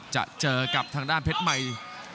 จะเจอกับทางด้านเพชรใหม่